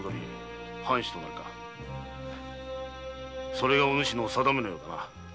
それがお主の定めのようだな。